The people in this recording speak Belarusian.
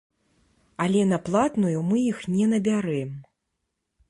Але на платную мы іх не набярэм.